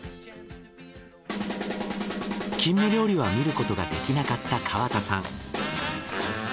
キンメ料理は見ることができなかった川田さん。